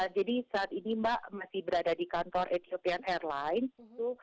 jadi saat ini mbak masih berada di kantor etiopian airlines